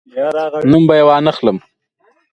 نوم به یې وانخلم.